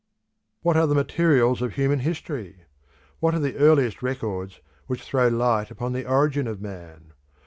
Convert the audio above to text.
What are the materials of human history? What are the earliest records which throw light upon the origin of man?